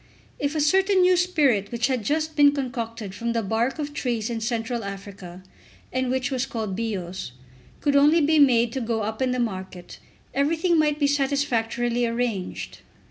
If a certain new spirit which had just been concocted from the bark of trees in Central Africa, and which was called Bios, could only be made to go up in the market, everything might be satisfactorily arranged.